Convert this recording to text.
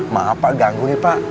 maaf pak ganggu nih pak